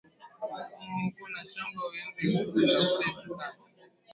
Kama uko na shamba wende katafute mikanda